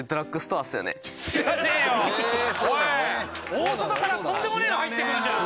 大外からとんでもねえの入ってくるじゃん。